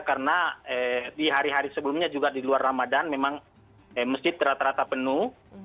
karena di hari hari sebelumnya juga di luar ramadan memang masjid rata rata penuh